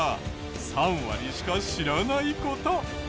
３割しか知らない事。